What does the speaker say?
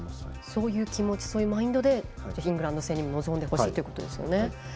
そういう気持ちでイングランド戦に臨んでほしいということですよね。